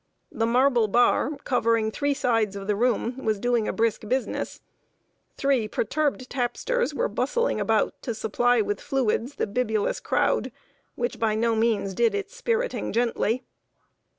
The marble bar, covering three sides of the room, was doing a brisk business. Three perturbed tapsters were bustling about to supply with fluids the bibulous crowd, which by no means did its spiriting gently.